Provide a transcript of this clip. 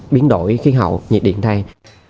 biến đổi khí hậu nhiệt điện thang